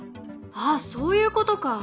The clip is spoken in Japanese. あっそういうことか。